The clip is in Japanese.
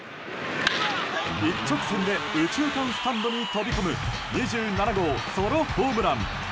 一直線で右中間スタンドに飛び込む２７号ソロホームラン！